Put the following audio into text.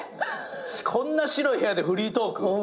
こんな白い部屋でフリートーク。